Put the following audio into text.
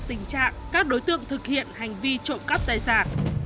tình trạng các đối tượng thực hiện hành vi trộm cắp tài sản